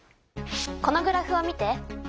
このグラフを見て。